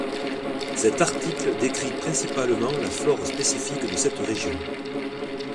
Cet article décrit principalement la flore spécifique de cette région.